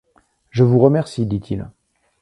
Je vous remercie, dit-il.